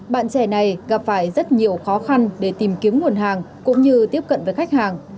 bạn trẻ này gặp phải rất nhiều khó khăn để tìm kiếm nguồn hàng cũng như tiếp cận với khách hàng